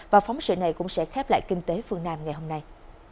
và phóng sự này cũng sẽ khép lại kinh tế phương nam ngày hôm nay